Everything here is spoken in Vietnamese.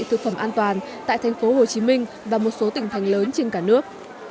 thực phẩm an toàn tại thành phố hồ chí minh và một số tỉnh thành lớn trên cả nước